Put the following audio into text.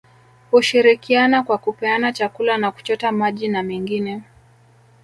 Hushirikiana kwa kupeana chakula na kuchota maji na mengine